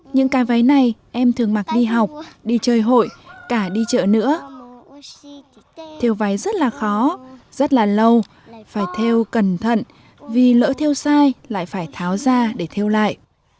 những cái váy này em thường mặc đi học đi chơi hội cả đi chợ nữa theo váy rất là khó rất là lâu phải theo cẩn thận vì lỡ theo sai lại phải tháo ra để theo lại